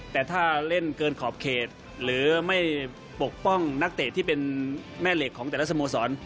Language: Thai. แต่ถ้าเล่นเกินขอบเขตหรือไม่ปกป้องนักเตะที่เป็นแม่เหล็กของแต่ละสโมสร